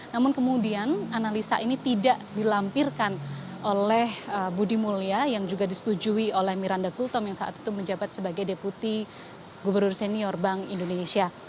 namun kemudian analisa ini tidak dilampirkan oleh budi mulya yang juga disetujui oleh miranda gultom yang saat itu menjabat sebagai deputi gubernur senior bank indonesia